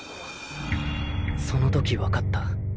その時わかった。